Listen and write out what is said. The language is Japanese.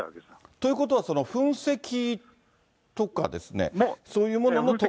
ということは、噴石とか、そういうものも。